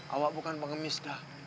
awak bukan pengemis dah